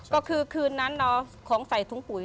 ก็คือนั้ของใส่ถุงปุ๋ย